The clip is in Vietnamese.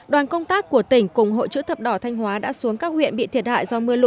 đoàn công tác của tỉnh cùng hội chữ thập đỏ thanh hóa đã xuống các huyện bị thiệt hại do mưa lũ